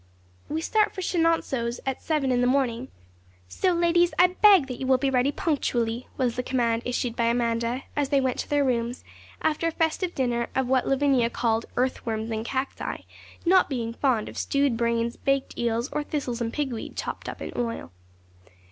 'We start for Chenonceaux at seven in the morning; so, ladies, I beg that you will be ready punctually,' was the command issued by Amanda, as they went to their rooms, after a festive dinner of what Lavinia called 'earth worms and cacti,' not being fond of stewed brains, baked eels, or thistles and pigweed chopped up in oil.